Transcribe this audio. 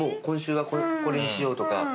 今週はこれにしようとか。